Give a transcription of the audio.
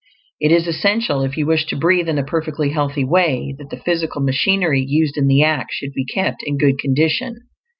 It is essential, if you wish to breathe in a perfectly healthy way, that the physical machinery used in the act should be kept in good condition.